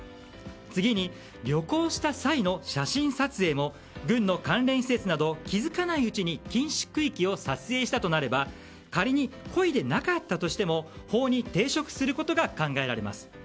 次に旅行した際の写真撮影も軍の関連施設など気づかないうちに禁止区域を撮影したとなれば仮に故意でなかったとしても法に抵触することが考えられます。